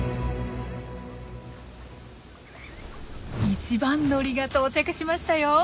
一番乗りが到着しましたよ。